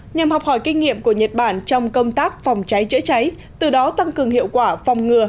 nhằm học hỏi kinh nghiệm của nhật bản trong công tác phòng cháy chữa cháy từ đó tăng cường hiệu quả phòng ngừa